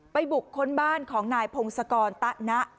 บุคคลบ้านของนายพงศกรตะนะ